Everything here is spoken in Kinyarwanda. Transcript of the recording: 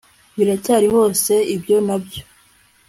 biracyariho se ibyo nabyo